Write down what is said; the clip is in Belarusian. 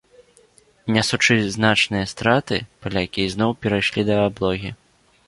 Нясучы значныя страты, палякі ізноў перайшлі да аблогі.